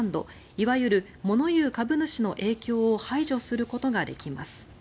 いわゆる物言う株主の影響を排除することができます。